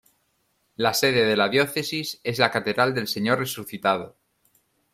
La sede de la Diócesis es la Catedral del Señor resucitado.